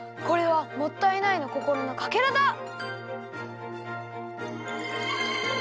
これは「もったいない」のこころのかけらだ！